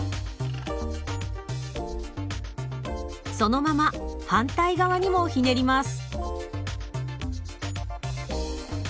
そのまま反対側にもひねります。